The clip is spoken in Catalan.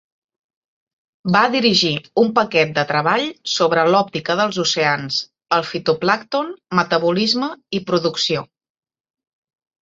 Va dirigir un paquet de treball sobre l'òptica dels oceans, el fitoplàncton, metabolisme i producció.